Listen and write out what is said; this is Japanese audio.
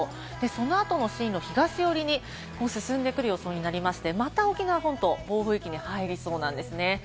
その後の進路を東寄りに進んでくる予想になりまして、また沖縄本島、暴風域に入りそうなんですね。